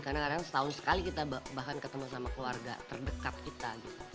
karena kadang setahun sekali kita bahkan ketemu sama keluarga terdekat kita